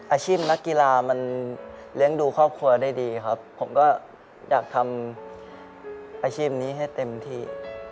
อาชีพนักกีฬามันเลี้ยงดูครอบครัวได้ดีครับผมก็อยากทำอาชีพนี้ให้เต็มที่